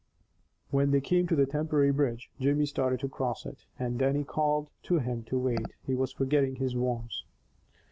When they came to the temporary bridge, Jimmy started across it, and Dannie called to him to wait, he was forgetting his worms.